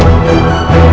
aku mau pergi